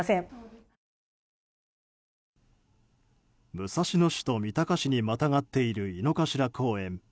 武蔵野市と三鷹市にまたがっている井の頭公園。